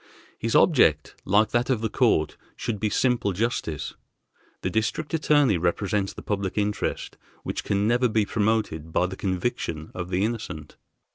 His object, like that of the court, should be simple justice. The District Attorney represents the public interest which can never be promoted by the conviction of the innocent.